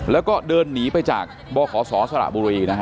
แล้วก็เดินหนีไปจากบขศสระบุรีนะฮะ